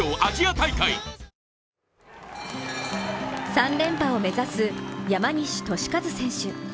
３連覇を目指す山西利和選手。